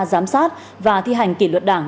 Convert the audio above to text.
giám sát và thi hành kỷ luật đảng